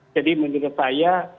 jadi menurut saya